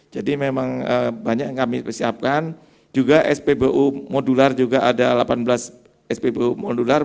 jadi memang banyak yang kami persiapkan juga spbu modular juga ada delapan belas spbu modular